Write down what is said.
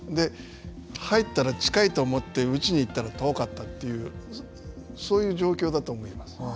入ったら近いと思って打ちに行ったら遠かったというそういう状況だと思います。